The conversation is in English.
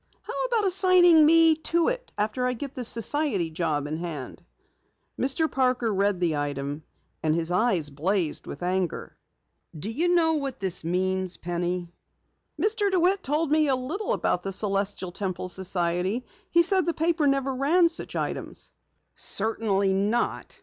"How about assigning me to it after I get this society job in hand?" Mr. Parker read the item and his eyes blazed with anger. "Do you know what this means, Penny?" "Mr. DeWitt told me a little about the Celestial Temple society. He said the paper never ran such items." "Certainly not!